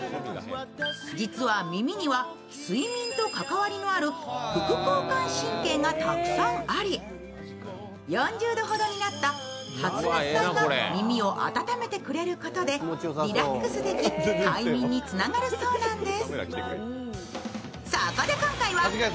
実は耳には睡眠と関わりのある副交感神経がたくさんあり、４０度ほどになった発熱体が耳を温めてくれることでリラックスでき、快眠につながるそうです。